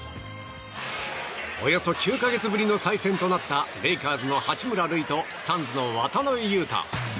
およそ９か月ぶりの再戦となったレイカーズの八村塁とサンズの渡邊雄太。